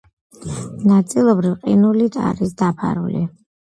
ნაწილობრივ ყინულით არის დაფარული.